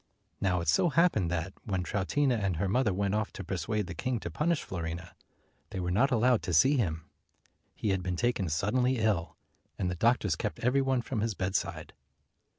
Now it so happened that, when Troutina and her mother went off to persuade the king to punish Fiorina, they were not allowed to see him. He had been taken suddenly ill, and the doctors kept every one from his bedside.